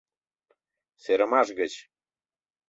Серымаш гыч